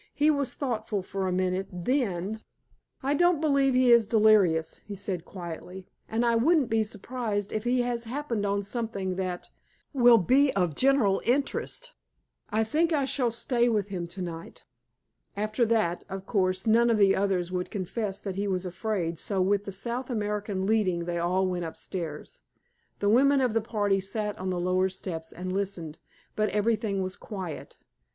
He was thoughtful for a minute. Then: "I don't believe he is delirious," he said quietly, "and I wouldn't be surprised if he has happened on something that will be of general interest. I think I will stay with him tonight." After that, of course, none of the others would confess that he was afraid, so with the South American leading, they all went upstairs. The women of the party sat on the lower steps and listened, but everything was quiet.